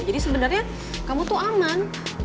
jadi sebenernya kamu tuh aman